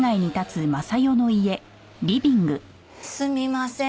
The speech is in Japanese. すみません